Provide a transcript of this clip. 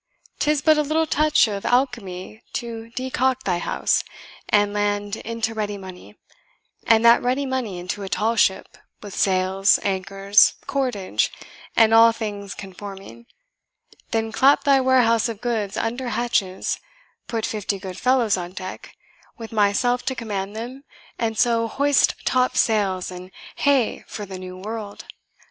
'Tis but a little touch of alchemy to decoct thy house and land into ready money, and that ready money into a tall ship, with sails, anchors, cordage, and all things conforming; then clap thy warehouse of goods under hatches, put fifty good fellows on deck, with myself to command them, and so hoist topsails, and hey for the New World!"